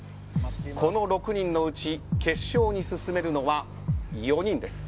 この６人のうち決勝に進めるのは４人です。